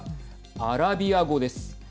アラビア語です。